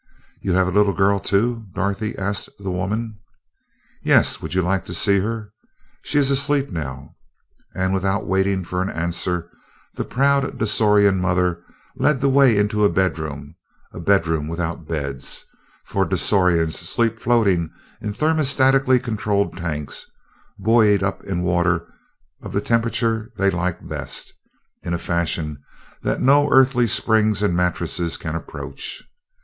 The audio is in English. "You have a little girl, too?" Dorothy asked the woman. "Yes would you like to see her? She is asleep now," and without waiting for an answer, the proud Dasorian mother led the way into a bedroom a bedroom without beds, for Dasorians sleep floating in thermostatically controlled tanks, buoyed up in water of the temperature they like best, in a fashion that no Earthly springs and mattresses can approach.